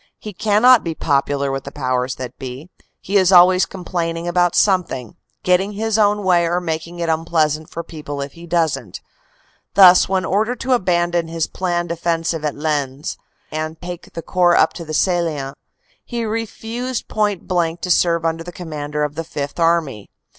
He cannot be popular with the powers that be; he is always complaining about something; getting his own way or making it unpleasant for people if he doesn t. Thus, when ordered to abandon his planned offensive at Lens and take the Corps up to the Salient, he refuses point blank to serve under the Commander of the Fifth Army.